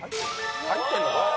入ってんのかよ！